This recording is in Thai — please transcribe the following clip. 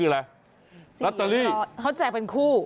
ลัตเตอรี่เค้าแจกกันคู่